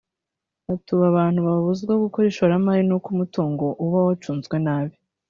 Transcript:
ati ”Ubu abantu babuzwa gukora ishoramari n’uko umutungo uba wacunzwe nabi